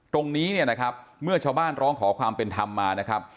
ตรงนี้เนี่ยนะครับเมื่อชาวบ้านร้องขอความเป็นธรรมมานะครับ